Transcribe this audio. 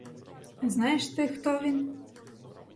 А знаєш ти, хто він?